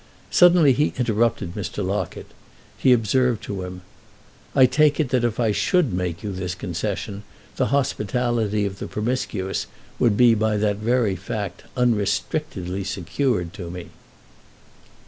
Suddenly he interrupted Mr. Locket; he observed to him: "I take it that if I should make you this concession the hospitality of the Promiscuous would be by that very fact unrestrictedly secured to me."